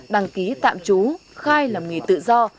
đăng ký tạm trú khai làm nghề tự do